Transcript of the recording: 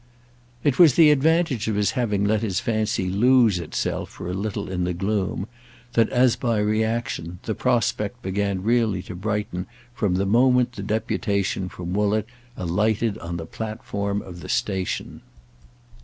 It was the advantage of his having let his fancy lose itself for a little in the gloom that, as by reaction, the prospect began really to brighten from the moment the deputation from Woollett alighted on the platform of the station.